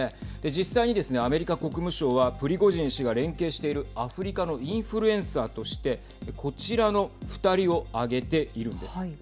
実際にですね、アメリカ国務省はプリゴジン氏が連携しているアフリカのインフルエンサーとしてこちらの２人を挙げているんです。